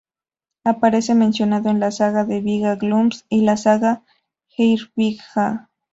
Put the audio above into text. Aparece mencionado en la "saga de Víga-Glúms", y la "saga Eyrbyggja".